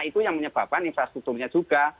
itu yang menyebabkan infrastrukturnya juga